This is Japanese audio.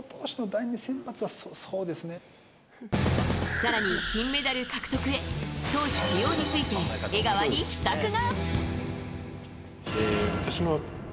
更に金メダル獲得へ投手起用について江川に秘策が。